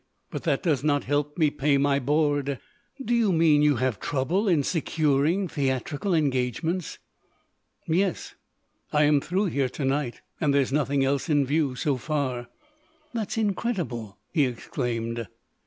But that does not help me pay my board." "Do you mean you have trouble in securing theatrical engagements?" "Yes, I am through here to night, and there's nothing else in view, so far." "That's incredible!" he exclaimed.